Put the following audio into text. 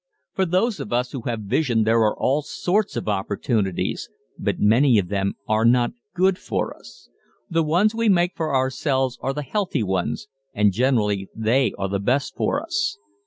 For those of us who have vision there are all sorts of opportunities, but many of them are not good for us. The ones we make for ourselves are the healthy ones, and generally they are the best for us.